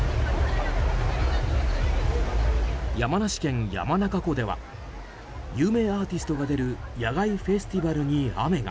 山梨県山中湖では有名アーティストが出る野外フェスティバルに雨が。